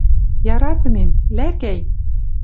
Яратымем, лӓкӓй